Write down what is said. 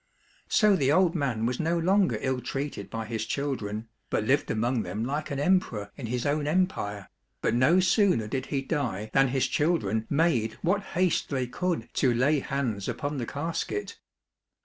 So the old man was no longer ill treated by his children, but lived among them like an emperor in his own empire, but no sooner did he die than his children made what haste they could to lay hands upon the casket.